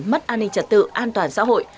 mất an ninh trật tự an toàn xã hội